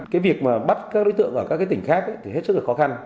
cái việc mà bắt các đối tượng ở các cái tỉnh khác thì hết sức là khó khăn